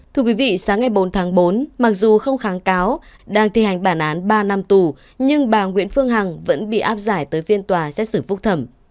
thưa quý vị sáng ngày bốn tháng bốn mặc dù không kháng cáo đang thi hành bản án ba năm tù nhưng bà nguyễn phương hằng vẫn bị áp giải tới phiên tòa xét xử phúc thẩm